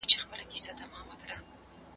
پښتو به ډېر ژر په نړیوالو سیسټمونو کې وځلیږي.